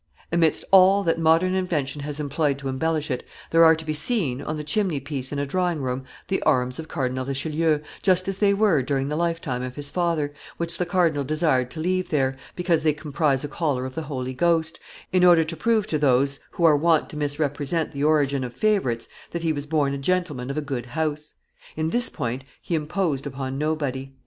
"Amidst all that modern invention has employed to embellish it, there are to be seen, on the chimney piece in a drawingroom, the arms of Cardinal Richelieu, just as they were during the lifetime of his father, which the cardinal desired to leave there, because they comprise a collar of the Holy Ghost, in order to prove to those who are wont to misrepresent the origin of favorites that he was born a gentleman of a good house. In this point, he imposed upon nobody."